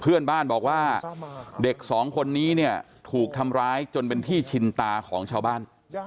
เพื่อนบ้านบอกว่าเด็กสองคนนี้เนี่ยถูกทำร้ายจนเป็นที่ชินตาของชาวบ้าน